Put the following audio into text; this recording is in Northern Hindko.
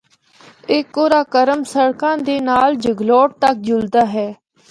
اے قراقرم سڑکا دے نال جگلوٹ تک چلدا ہے۔